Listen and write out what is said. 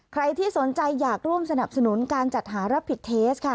ใครที่สนใจอยากร่วมสนับสนุนการจัดหารับผิดเทสค่ะ